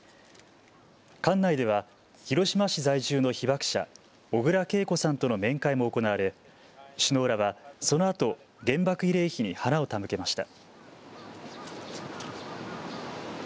館内では広島市在住の被爆者、小倉桂子さんとの面会も行われ首脳らはそのあと原爆慰霊碑に花を手向けました。